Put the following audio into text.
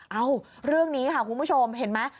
เอ้าเรื่องนี้ค่ะคุณผู้ชมเห็นไหม